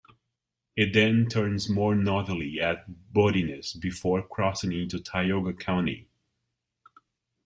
It then turns more northerly at Bodines before crossing into Tioga County.